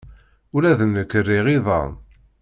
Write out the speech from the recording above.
Ula d nekk riɣ iḍan.